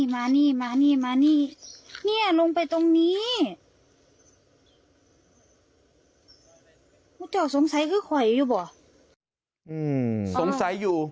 มานี่